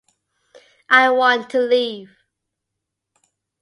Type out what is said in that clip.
I want to leave.